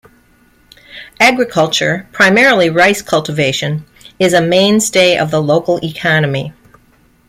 Agriculture, primarily rice cultivation, is a mainstay of the local economy.